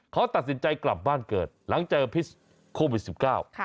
เขาตัดสินใจกลับบ้านเกิดหลังจากอาพิศโคมวิทย์๑๙